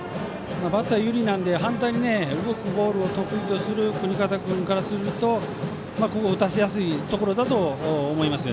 バッター有利なので反対に動くボールを得意とする國方君からするとここは打たせやすいところです。